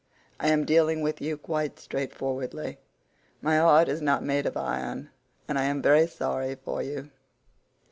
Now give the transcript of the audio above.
I am dealing with you quite straightforwardly; my heart is not made of iron, and I am very sorry for you."